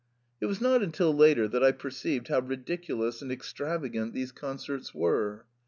It was not until later that I per ceived how ridiculous and extravagant these concerts were.